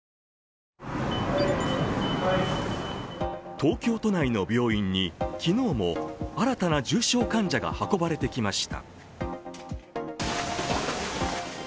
東京都内の病院に昨日も新たな重症患者が運ばれてきました。